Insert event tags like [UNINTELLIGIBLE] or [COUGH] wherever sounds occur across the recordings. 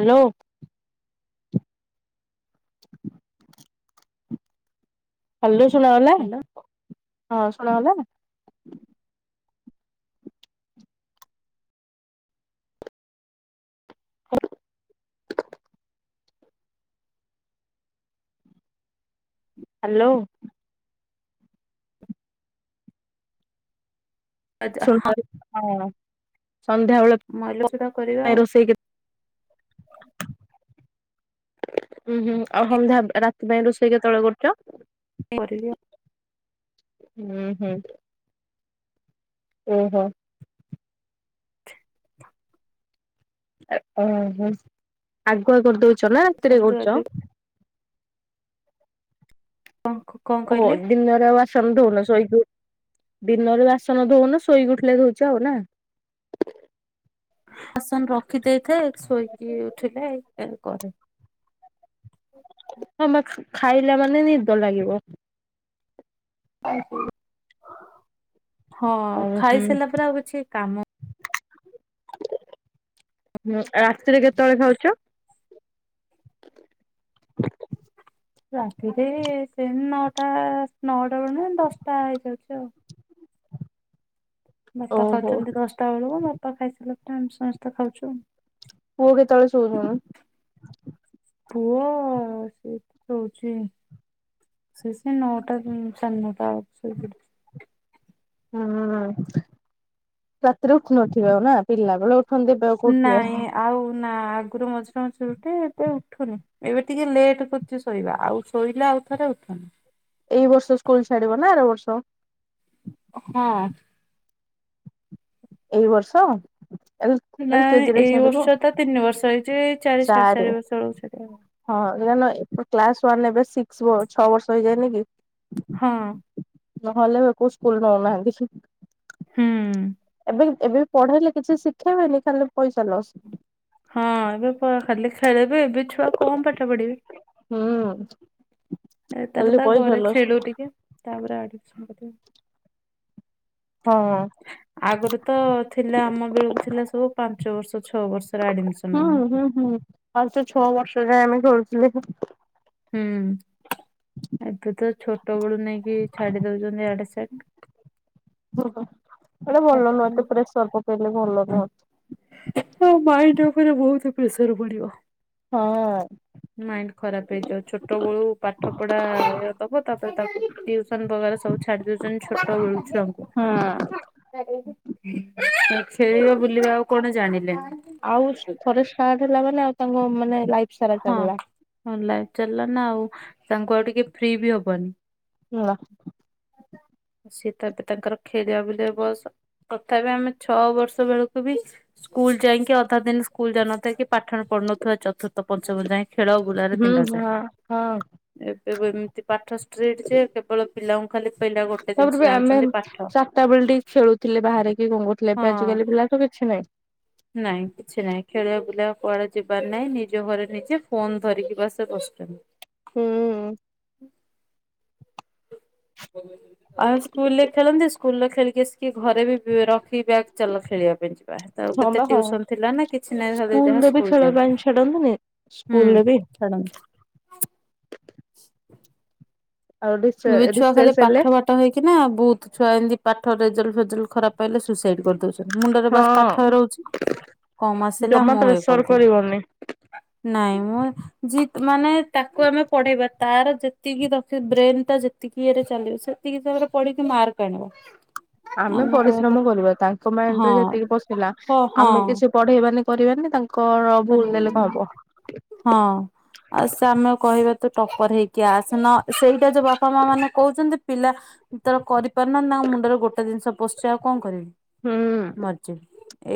Hello [UNINTELLIGIBLE] hello ଶୁଣାଗଲା hello ହଁ ଶୁଣାଗଲା। ହଁ [UNINTELLIGIBLE] ହାଲୋ। ସୁଣି ପାରୁଚ ହଁ ସନ୍ଧ୍ୟାବେଳକୁ ମଲୋ [UNINTELLIGIBLE] ଅଫିସ କରିବା ଆଉ ଉୁଁ ହୁଁ ଆଉ ସନ୍ଧ୍ୟା ରାତି ପାଇଁ ରୋଷେଇ କେତେଳେ କରୁଚ? ଏ କରିବି ଆଉ। ହୁଁ ହୁଁ। ଓହୋ। ଅହ ଆଗୁଆ କରିଦଉଚ ନା ରାତିରେ କରୁଚ? ପାଖକୁ ଓ ହୋ ଦିନରେ ଆଉ ଆସ ସନ ଧଉନ ଶୋଇକି ଦିନରେ ବାସନ ଧଉନ ଶୋଇକି ଉଠିଲେ ଧଉଚ ଆଉ ନା। ବାସନ ରଖି ଦେଇଥାଏ ଶୋଇକି ଉଠିଲେ ଏ କରେ। ହଁ ବା ଖାଇଲା ମାନେ ନିଦ ଲାଗିବ। ହଁ ଓଁ ହୁଁ ଖାଇସାରିଲା ପରେ ଆଉ କିଛି କାମ ହୁଁ ରାତିରେ କେତେଏଳେ ଖାଉଚ? ରାତିରେ ସେ ନାକ ପ୍ରାଆ ନଅଟା ବୋଳୁ ନା ଦଶଟା ହେଇଯାଉଚି ଆଉ। ବାପା ଓହୋ ଖାଉଚନ୍ତି ଦଶଟା ବୋଳୁକୁ ବାପା ଖାଇସାରିଲା ପରେ ଆମେ ସମସ୍ତେ ଖାଉଚୁ। ପୁଅ କେତେଏଳେ ଶୋଉ [UNINTELLIGIBLE] ପୁଅ ସେ ଶୋଉଚି। ସିଏ ସେଇ ନଅଟା ସାଢେନଟା ବୋଳୁକୁ ଶୋଇ ପଡୁଚି। ହୁଁ ଉଁ ରାତିରେ ଉଠୁ ନଥିବେ ନା ପିଲା ବେଳେ ଉଠନ୍ତି। ଏବେ ଆଉ କୋଉଠି ଉଠିବେ। ନାଇଁ ଆଉ ନା ଆଗରୁ ମଝି୍ ଶୋଇ ଥାଏ ଏତେ ଉଠୁନି ଏବେ ଟିକେ ଲେଟ୍ କରୁଚି ଶୋଇବା ଆଉ ଶୋଇଲେ ଆଉ ଥରେ ଉଠୁନି। ଏଇ ବର୍ଷ ସ୍କୁଲ ଛାଡିବ ନା ଆର ବର୍ଷ? ହଁ। ଏଇ ବର୍ଷ। ଏଲ ଏଲ ନାଇଁ କେଜି ରେ ଏଇ ଛାଡିବ। ବର୍ଷ ତ ତିନି ବର୍ଷ ହେଇଚିଏଇ ଚାରି ସାଢେ ଚାରେ ଚାରି ବର୍ଷ ବୋଳୁକୁ ଚାଲିବ। ହଁ ନାନା ଏ କ୍ଲାସ ୱାନ ଏବେ ସିକ୍ସି ଛଅ ବର୍ଷ ହେଇଯାଇ ନେହିଁ କି। ହଁ। ନହେଲେ କୋଉ ସ୍କୁଲୁ ନୋଉନାହାନ୍ତି। ହୁଁ। ଏବେ ଏବେ ପଢେଇଲେ କିଛି ଶିଖେଇବେନେହିଁ ଖାଲି ପଇସା ଲସ୍। ହଁ ଏବେ ପା ଖାଲି ଖେଳେଇବେ ଏବେ ଛୁଆ କଣ ପାଠ ପଢିବେ। ହୁଁ। ଏଇ ତାର ଖାଲି ତା ପଇସା ଘରେ ଲସ୍ ଖେଳୁ ଟିକେ ତାପରେ ଆଡିମିସନ୍ କରିବ। ହଁ। ଆଗରୁ ତ ଥିଲା ଆମ ବେଳକୁ ଥିଲା ସବୁ ପାଞ୍ଚ ବର୍ଷ ଛଅ ବର୍ଷରେ ଆଡିମିସନ୍ ହୁଁ ହୁଁ ହେବାକୁ। ହୁଁ। ପାଞ୍ଚ ଛଅ ବର୍ଷ ଯାଏଁ ଆମେ ଖେଳୁଥୁଲେ। ହୁଁ ଏବେ ତ ଛୋଟ ବୋଳୁ ନେଇକି ଛାଡି ଦୋଉଚନ୍ତି ୟାଡେ ସିଡେ। ହୁ ହୁଁ ସେଟା ପାଠ ଭଲ ନୁହଁ ପଢା ଏତେ ଫ୍ରେଶର ପକେଇଲେ ଭଲ ନୁହଁ। ଏଠିତ ମାଇଣ୍ଡି ଉପରେ ବହୁତୁ ପ୍ରେସର ପଡିବ। ହଁ। ମାଇଣ୍ଡି ଖରାପ ହେଇଯିବ ଛୋଟ ବେଳୁ ପାଠ ପଢା ଇଅ ଦବ ତାପରେ ତାକୁ ଟ୍ୟୁସନ ଭଲରେ ସବୁ ଛାଡି ଦୋଉଚନ୍ତି ଛୋଟ ବେଳୁ ଛୁଆଙ୍କୁ। ହଁ। ଖେଳିବା ବୁଲିବା ଆଉ କଣ ଜାଣିଲେନେହିଁ? ଆଉ ଥରେ ଷ୍ଟାର୍ଟ ହେଲା ମାନେ ଆଉ ତାଙ୍କ ମା ହଁ ଲାଇଫି ଚାଲିଲା ନା ଆଉ ତାଙ୍କୁ ଆଉ ଟିକେ ଫ୍ରି ବି ହବନି। [INAUDIBLE] [INAUDIBLE] ସିଏ ତ ଏବେ ତାଙ୍କର ଖେଳିବା ବୁଲିବା ବୟଷ ତଥାପି ଆମେ ଛଅ ବର୍ଷ ବେଳକୁ ବି ସ୍କୁଲୁ ଯାଇଁକି ଅଧା ଦିନ ସ୍କୁଲୁ ଯାଉ ନଥିବା କି ପାଠ ପଢୁନଥିବା ଚତୁର୍ଥ ପଞ୍ଚମ ଯାଏଁ। ଖେଳ ଓ ବୁଲାରେ ହୁଁ ଦିନଯାଏ। ହଁ ହଁ ଏବେ ଏମିତି ପାଠ ଷ୍ଟ୍ରିଟି ଯେ କେବଳ ପିଲାଙ୍କୁ ଖାଲି ପିଲା ଗୋଟେ ଜିନିଷ ତାପରେ ବି ଆମେ ଜାଣୁଛନ୍ତି ପାଠ। ଚାରିଟା ବେଳେ ଟିକେ ଖେଳୁଥିଲେ ବାହରେକି କଣ କରୁଥିଲେ ହଁ ଏବେ ଆଜିକାଲି ପିଲା ତ କିଛି ନାହିଁ। ନାଇଁ କିଛି ନାଇଁ ଖେଳିବା ବୁଲିବା କୁଆଡେ ଯିବାର ନାହିଁ ନିଜ ଘରେ ନିଜେ ଫୋନ୍ ଧରିକି ବାସେ ବସୁଚନ୍ତି। ହୁଁ। ବୋଲେ। ଆଉ ସ୍କୁଲ୍ ରେ ଖେଳନ୍ତି ସ୍କୁଲ୍ ରେ ଖେଳିକି ଆସିକି ଘରେ ବି ରଖି ବ୍ୟାଗ୍ ଚାଲ ଖେଳିବା ପାଇଁ ଯିବା ଭାରି। ଆଉ ହଁ କେତେ ବା ହଁ। ଟିଉସନ ଥିଲା ନା କିଛି ନାଇ ଖାଲି ସ୍କୁଲ ଯାହା ରେ ବି ସ୍କୁଲ୍ ଖେଳ ପାଇଁ ଛାଡନ୍ତିନି। ଯାଆନ୍ତି ସ୍କୁଲରେ ବି। ହୁଁ। [UNINTELLIGIBLE] ଆଉ ରିସେ ଏବେ ଛୁଆଖାଲି ରିସେସ୍ ହେଲେ ପାଠ ପା ଠ ହେଇକିନା ବହୁତ ଛୁଆ ଏମତି ପାଠ ରେଜଲ୍ ଫେଜଲ୍ ଖରାପ ପାଇଲେ ସୁଇସାଇଡ୍ କରିଦଉଛି। [UNINTELLIGIBLE] ମୁଣ୍ଡରେ ବାସ୍ ପାଠ ହଁ ରହୁଛି, କମ ଆସିଲା ଜମା ମୁଁ ଇଏ ପ୍ରେସର କରିଦେବି। କରିବନି। ନାଇଁ ମୁଁ ଜିତ୍ ମାନେ ତାକୁ ଆମେ ପଢେଇବା ତାର ଯେତିକି ରଖି ବ୍ରେନ୍ ତ ଯେତିକି ଇଏରେ ଚାଲିବ ସେତିକି ହିସାବରେ ପଢିକି ମାର୍କ ଆଣିବ। ଆମେ କହିବା କ ପରିଶ୍ରମ କରିବା ତାଙ୍କ ହଁ ମାଇଣ୍ଡରେ ଯେତିକି ପଶିଲା ହ ହଁ ଆମେ କିଛି ପଢେଇବାନି କରିବାନି ତାଙ୍କ କର [UNINTELLIGIBLE] ହଁ ଆଉ ସେ ଆମେ କହିବା ତୁ ଟପର୍ ହେଇକି ଆସୁନ ସେଇଟା ଯୋଉ ବାପା ମା ମାନେ କହୁଛନ୍ତି ପିଲା ତାର କରି କରନାହାନ୍ତି ନା ତାଙ୍କ ମୁଣ୍ଡରେ ଗୋଟେ ଜିନିଷ ପଶଛି ଆଉ କଣ କରିବି ହୁଁ ମରିଯିବି,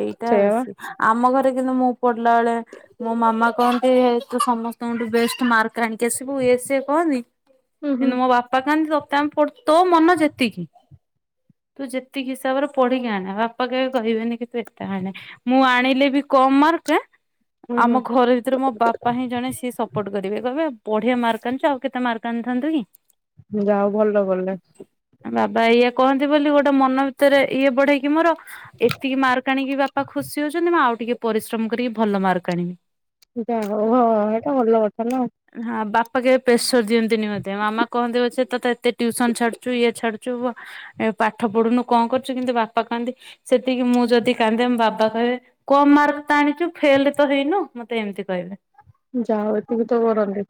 ଏଇଟା ସେଇଆ ବା। ବେଶୀ ଆମ ଘରେ କିନ୍ତୁ ମୁଁ ପଡଲା ବେଳେ ମୋ ମାମା କହନ୍ତି ତୁ ସମସ୍ତଙ୍କଠୁ ବେଷ୍ଟ ମାର୍କ ଆଣିକି ଆସିବୁ ଇଏ ସିଏ କହନ୍ତି। ହୁଁ ହୁଁ କିନ୍ତୁ ମୋ ବାପା କହନ୍ତି ତୋତେ ଆମେ ପଡ ତ ମନ ଯେତିକି ତୁ ଯେତିକି ହିସାବରେ ପଢିକି ଆଣେ, ବାପା କେବେ କହିବେନି କି ତୁ ଏତେ ଆଣେ। ମୁଁ ଆଣିଲେ ବି କମ ମାର୍କ ହୁଁ ଆମ ଘର ଭିତରେ ମୋ ବା ପା ହିଁ ଜଣେ ସିଏ ସପୋର୍ଟ କରିବେ କହିବେ ବଢିଆ ମାର୍କ ଆଣିଚ ଆଉ କେତେ ମାର୍କ ଆଣିଥାନ୍ତୁ କି। ଯା ହଉ ଭଲ କଲେ। ଆ, ବାବା ଏଇଆ କହନ୍ତି ବୋଲି ଗୋଟେ ମନ ଭିତରେ ଇଏ ବଢେଇକି ମୋର ଏତିକି ମାର୍କ ଆଣିକି ବା ପା ଖୁସି ହଉଛନ୍ତି ମୁଁ ଆଉ ଟିକେ ପରିଶ୍ରମ କରିକି ଭଲ ମାର୍କ ଆଣିବି। ଯା ହଉ ହୋ ଏଟା ଭଲ କଥା ନା। ହଁ ବାପା କେବେ ପ୍ରେସର୍ ଦିଅନ୍ତିନି ମୋତେ। ମାମା କହନ୍ତି ପଛେ ତୋତେ ଏତେ ଟିଉସନ ଛାଡଛୁ ଇଏ ଛାଡଛୁ ବ ଏ ପାଠ ପଢୁନୁ କଣ କରୁଛୁ କିନ୍ତୁ ବାପା କହନ୍ତି ସେତିକି ମୁଁ ଯଦି କାନ୍ଦେ ବାବା କହିବେ କମ ମାର୍କ ତ ଆଣିଚୁ ଫେଲ୍ ତ ହେଇନୁ ମୋତେ ଏମିତି କହିବେ। ଯା ହଉ ଏତିକି ତ କରନ୍ତି।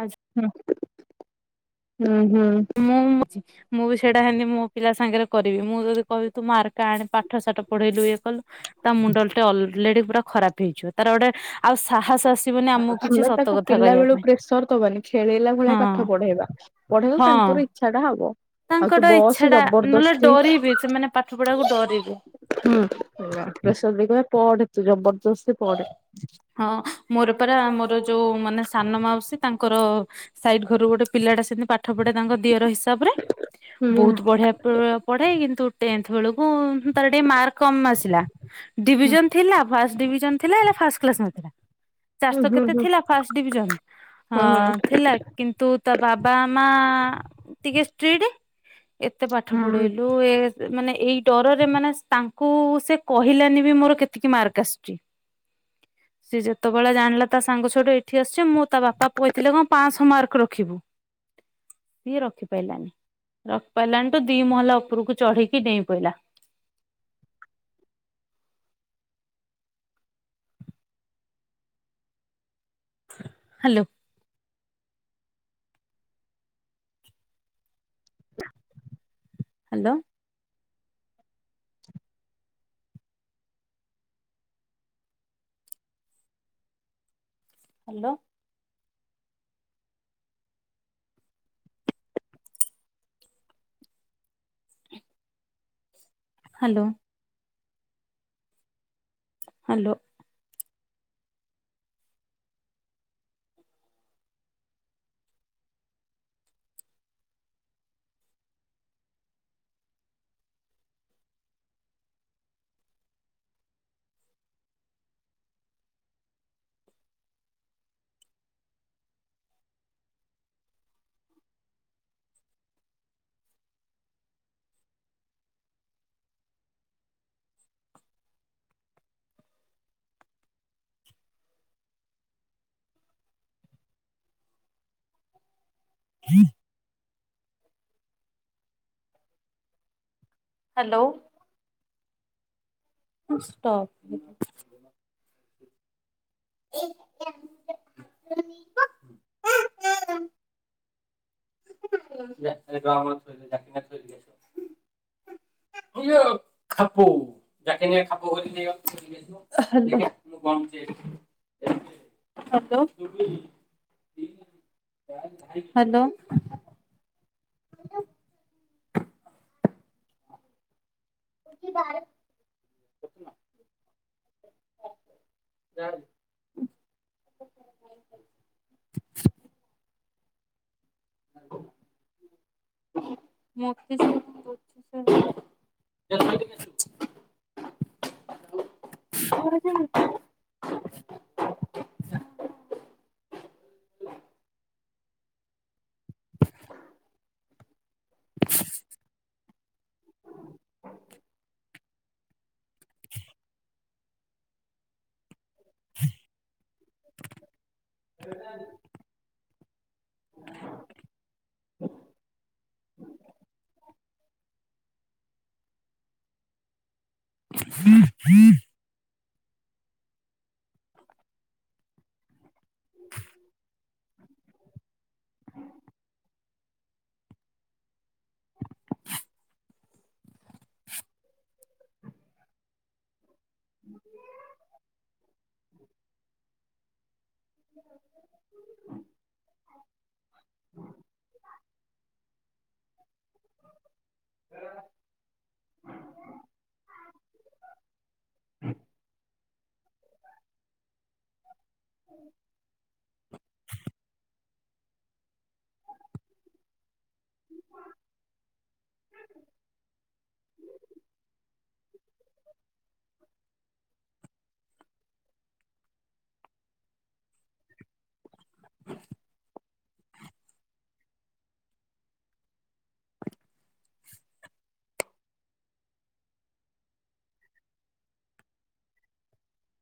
ଆଜ୍ ହୁଁ, ନା, ହଁ। ମୁଁ [UNINTELLIGIBLE] ମୁଁ ବି ସେଇଟା ହେନେ ମୋ ପିଲା ସାଙ୍ଗରେ କରିବି। ମୁଁ ଯଦି କହିବି ତୁ ମାର୍କ ଆଣେ ପାଠ ସାଠ ପଢେଇଲୁ ଇଏ କଲୁ ତା ମୁଣ୍ଡ ଟେ ଅଲରେଡି ପୁରା ଖରାପ ହେଇଯିବ। ତାର ଗୋଟେ ଆଉ ସାହସ ଆସିବନି ଆମକୁ କିଛି ଆମେ ସତ ତାକୁ କଥା ପିଲା କହିବା ବେଳୁ ପାଇଁ ପ୍ରେସର୍ ଦବାନି ଖେଳେଇଲା ଭଳିଆ ହଁ ପାଠ ପଢେଇବା। ପଢେଇଲେ ହଁ। ତାଙ୍କର ଇଚ୍ଛା ଟା ହବ। ଆଉ ତୁ ତାଙ୍କର ଇଚ୍ଛା ବସ ଟା ନହେଲେ ଜବରଦସ୍ତି ଡରିବେ ସେମାନେ ପାଠ ପଢାକୁ ଡରିବେ। ହୁଁ, ଅ, ଆ, ପ୍ରେସର୍ ଦେଇକି କହିବା ପଢେ ତୁ ଜବରଦସ୍ତି ପଡେ। ହଁ ମୋର ପରା ମୋର ଯୋଉ ମାନେ ସାନ ମାଉସୀ ତାଙ୍କର ସାଇଡ୍ ଘରୁ ଗୋଟେ ପିଲାଟା ସେମିତି ପାଠ ପଢେ ତାଙ୍କ ଦିଅର ହିସାବ ରେ। ହୁଁ ବହୁତ ହୁଁ ବଢିଆ [UNINTELLIGIBLE] ପଢେ କିନ୍ତୁ ଟେନ୍ଥ ବେଳକୁ ହୁଁ ତାର ଟିକେ ମାର୍କ କମ ଆସିଲା। ଡିଭିଜନ୍ ଥିଲା ଫାଷ୍ଟ ଡିଭିଜନ୍ ଥିଲା ହେଲେ ଫାଷ୍ କ୍ଲାସ୍ ନଥିଲା। ହୁଁ ଚାରଶ ହୁଁ କେତେ ହୁଁ ଥିଲା ଫାଷ୍ଟ ଡିଭିଜନ୍ ହୁଁ ହଁ ଥିଲା କିନ୍ତୁ ତା ବାବା ମା ଟିକେ ଷ୍ଟ୍ରିଟି ଏତେ ପାଠ ହୁଁ ପଢେଇଲୁ ଯ ମାନେ ଏଇ ଡରରେ ମାନେ ତାଙ୍କୁ ସେ କହିଲାନି ବି ମୋର କେତିକି ମାର୍କ ଆସୁଛି। ସିଏ ଯେତେବେଳେ ଜାଣିଲା ତା ସାଙ୍ଗ ସଛୋଠୁ ଏଇଠି ଆସି ମୁଁ ତା ବାପା କହିଥିଲେ କଣ ପାଞ୍ଚଶହ ମାର୍କ ରଖିବୁ। [INAUDIBLE] ସିଏ ରଖି ପାଇଲାନି ରଖିପାରିଲାନି ତ ଦି ମହଲା ଉପରକୁ ଚଢ଼ିକି ଡେଇଁ ପଇଲା। Hello. Hello. Hello. Hello. Hello. [INAUDIBLE] Hello. [UNINTELLIGIBLE] [INAUDIBLE] [INAUDIBLE] ଇଏ ଖପୁ ଯାକ ଖପୁ [INAUDIBLE] [INAUDIBLE] ହାଲୋ ହାଲୋ। [INAUDIBLE] [INAUDIBLE] [INAUDIBLE] [INAUDIBLE] [INAUDIBLE] [INAUDIBLE] [INAUDIBLE] [INAUDIBLE] [INAUDIBLE] [INAUDIBLE] [INAUDIBLE] [INAUDIBLE] [INAUDIBLE] [INAUDIBLE] [INAUDIBLE] [INAUDIBLE] [INAUDIBLE] [INAUDIBLE] [INAUDIBLE] [INAUDIBLE] [INAUDIBLE]